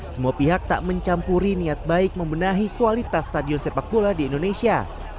semua pihak tak mencampuri niat baik membenahi kualitas stadion sepak bola di indonesia